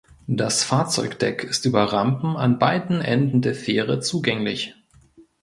Das Fahrzeugdeck ist über Rampen an beiden Enden der Fähre zugänglich.